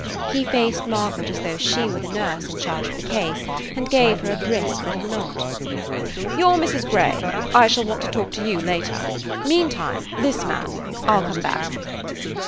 He faced Margaret as though she were the nurse in charge of the case and gave her a brisk little nod. "You 're Mrs. [Page 148] Grey. I shall want to talk to you later. Meantime–this man. I 'll come back."